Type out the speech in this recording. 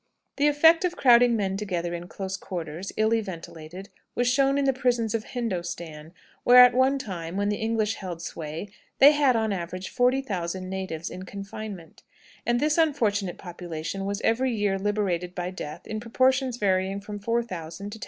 The effect of crowding men together in close quarters, illy ventilated, was shown in the prisons of Hindostan, where at one time, when the English held sway, they had, on an average, 40,000 natives in confinement; and this unfortunate population was every year liberated by death in proportions varying from 4000 to 10,000.